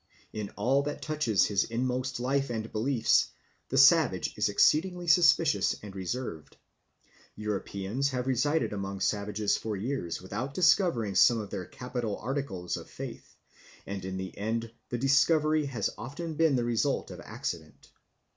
In all that touches his inmost life and beliefs the savage is exceedingly suspicious and reserved; Europeans have resided among savages for years without discovering some of their capital articles of faith, and in the end the discovery has often been the result of accident.